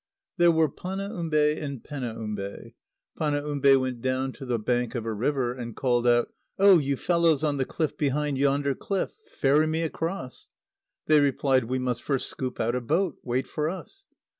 _ There were Panaumbe and Penaumbe. Panaumbe went down to the bank of a river, and called out: "Oh! you fellows on the cliff behind yonder cliff! Ferry me across!" They replied: "We must first scoop out a boat. Wait for us!"